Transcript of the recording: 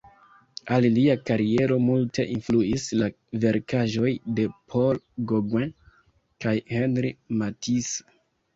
Al lia kariero multe influis la verkaĵoj de Paul Gauguin kaj Henri Matisse.